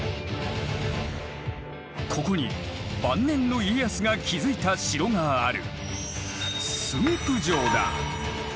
ここに晩年の家康が築いた城がある。